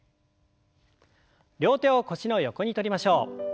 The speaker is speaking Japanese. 両手を腰の横にとりましょう。